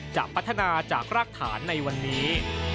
จะพัฒนาจากรากฐานในวันนี้